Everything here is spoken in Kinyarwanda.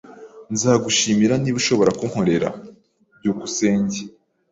Nzagushimira niba ushobora kunkorera. byukusenge